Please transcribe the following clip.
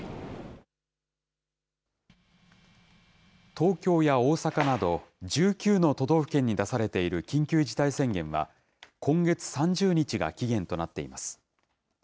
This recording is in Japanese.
東京や大阪など、１９の都道府県に出されている緊急事態宣言は、今月３０日が期限となっています。